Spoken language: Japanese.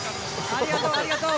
ありがとう、ありがとう。